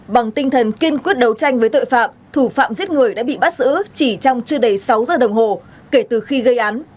bằng tinh thần kiên quyết đấu tranh với tội phạm thủ phạm giết người đã bị bắt giữ chỉ trong chưa đầy sáu giờ đồng hồ kể từ khi gây án